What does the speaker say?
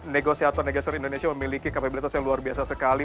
negosiator negator indonesia memiliki kapabilitas yang luar biasa sekali